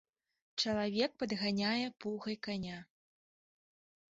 Чалавек падганяе пугай каня.